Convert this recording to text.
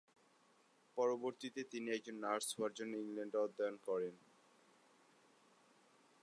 পরবর্তীতে, তিনি একজন নার্স হওয়ার জন্য ইংল্যান্ডে অধ্যয়ন করেন।